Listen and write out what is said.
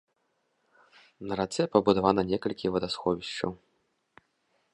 На рацэ пабудавана некалькі вадасховішчаў.